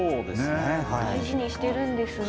大事にしてるんですね。